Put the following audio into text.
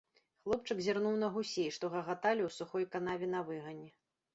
Хлопчык зірнуў на гусей, што гагаталі ў сухой канаве на выгане.